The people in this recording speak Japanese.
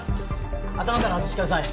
頭から外してください。